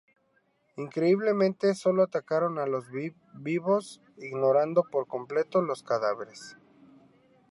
Increíblemente, solo atacaron a los vivos ignorando por completo los cadáveres.